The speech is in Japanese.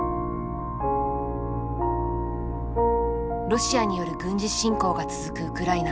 ロシアによる軍事侵攻が続くウクライナ。